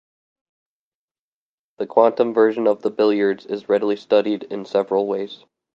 The quantum version of the billiards is readily studied in several ways.